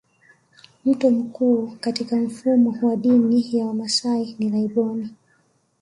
Mtu mkuu katika mfumo wa dini ya Wamasai ni laibon